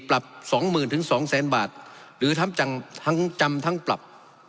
ปรับ๒๐๐๐๐ถึง๒๐๐๐๐๐บาทหรือทำจำทั้งปรับ